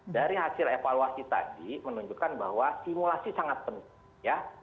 dari hasil evaluasi tadi menunjukkan bahwa simulasi sangat penting ya